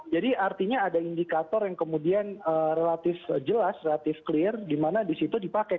jadi artinya ada indikator yang kemudian relatif jelas relatif clear di mana di situ dipakai